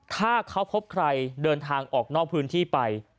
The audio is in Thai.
ถ้าเขาพบใครเดินทางออกนอกพื้นที่ไป